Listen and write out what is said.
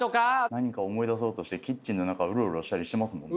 何か思い出そうとしてキッチンの中ウロウロしたりしてますもん。